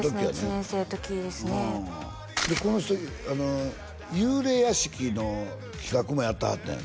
１年生の時ですねでこの人幽霊屋敷の企画もやってはったんよ知ってる？